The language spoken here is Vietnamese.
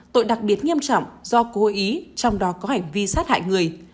tội đặc biệt nghiêm trọng do cố hội ý trong đó có hành vi sát hại người